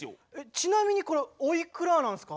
ちなみにこれおいくらなんすか？